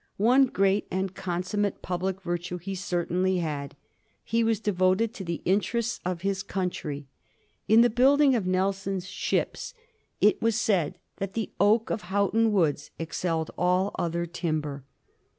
One great and consummate public virtue he certainly had: he was devoted to the interests of his country. In the building of Nelson's ships it was said that the oak of Houghton Woods excelled all other timber.